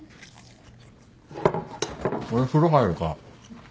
俺風呂入るから。